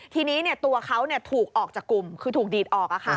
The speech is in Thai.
ทีนี้ตัวเขาถูกออกจากกลุ่มคือถูกดีดออก